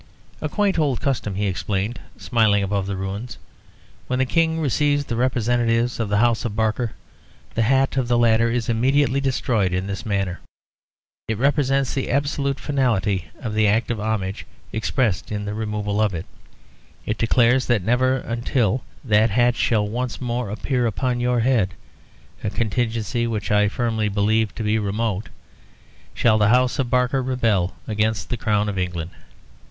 "A quaint old custom," he explained, smiling above the ruins. "When the King receives the representatives of the House of Barker, the hat of the latter is immediately destroyed in this manner. It represents the absolute finality of the act of homage expressed in the removal of it. It declares that never until that hat shall once more appear upon your head (a contingency which I firmly believe to be remote) shall the House of Barker rebel against the Crown of England."